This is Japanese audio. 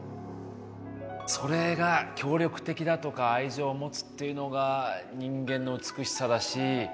それが協力的だとか愛情を持つっていうのが人間の美しさだし。